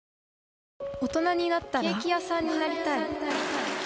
大人になったらケーキ屋さんになりたい。